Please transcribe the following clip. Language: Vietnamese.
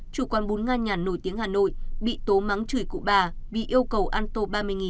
chủ quán bún ngăn nhàn nổi tiếng hà nội bị tố mắng chửi cụ bà bị yêu cầu ăn tô ba mươi